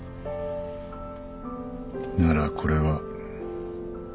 ならこれは。